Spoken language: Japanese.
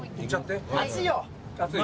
熱いよ！